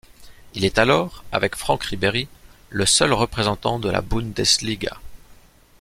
Il est alors, avec Franck Ribéry, le seul représentant de la Bundesliga.